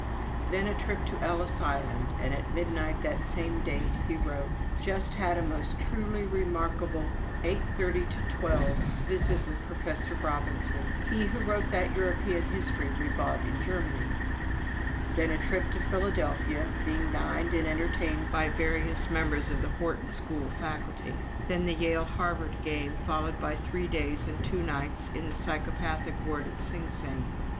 Then a trip to Ellis Island, and at midnight that same date he wrote: "Just had a most truly remarkable eight thirty to twelve visit with Professor Robinson, he who wrote that European history we bought in Germany." Then a trip to Philadelphia, being dined and entertained by various members of the Wharton School faculty. Then the Yale Harvard game, followed by three days and two nights in the psychopathic ward at Sing Sing.